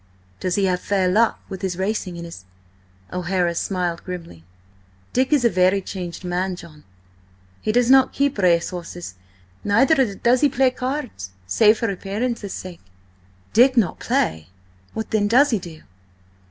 "Does he have fair luck with his racing and his—" O'Hara smiled grimly. "Dick is a very changed man, John. He does not keep racehorses, neither does he play cards, save for appearance's sake." "Dick not play! What then does he do?"